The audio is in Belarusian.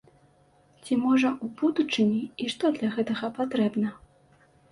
Ці можа ў будучыні, і што для гэтага патрэбна?